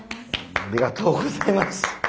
ありがとうございます。